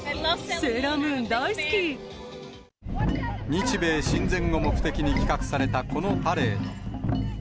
日米親善を目的に企画されたこのパレード。